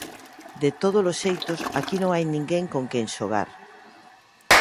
De tódolos xeitos, aquí non hai ninguén con quen xogar.